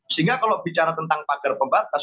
sehingga kalau bicara tentang pagar pembatas